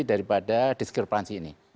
daripada diskrepanci ini